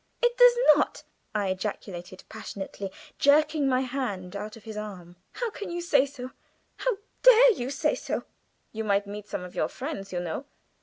"It does not," I ejaculated, passionately, jerking my hand from his arm. "How can you say so? How dare you say so?" "You might meet some of your friends, you know."